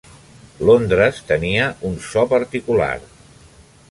Londres tenia un so particular.